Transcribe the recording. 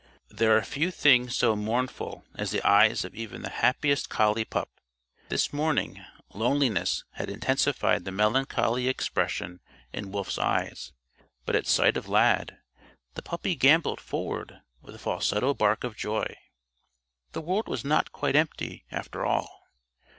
There are few things so mournful as the eyes of even the happiest collie pup; this morning, loneliness had intensified the melancholy expression in Wolf's eyes. But at sight of Lad, the puppy gamboled forward with a falsetto bark of joy. The world was not quite empty, after all.